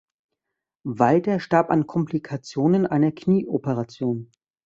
Walter starb an Komplikationen einer Knie-Operation.